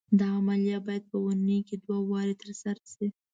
دا عملیه باید په اونۍ کې دوه وارې تر سره شي.